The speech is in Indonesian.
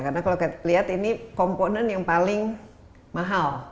karena kalau kita lihat ini komponen yang paling mahal